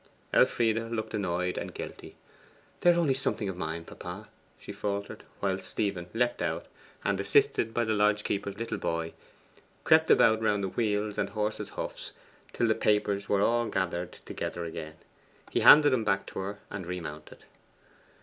Elfride looked annoyed and guilty. 'They are only something of mine, papa,' she faltered, whilst Stephen leapt out, and, assisted by the lodge keeper's little boy, crept about round the wheels and horse's hoofs till the papers were all gathered together again. He handed them back to her, and remounted.